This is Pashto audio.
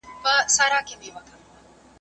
د جلادانو له تېغونو بیا د ګور تر کلي